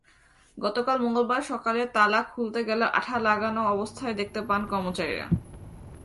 গতকাল মঙ্গলবার সকালে তালা খুলতে গেলে আঠা লাগানো অবস্থা দেখতে পান কর্মচারীরা।